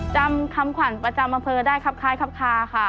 จำคำขวัญประจำอำเภอได้คล้ายค่ะค่ะ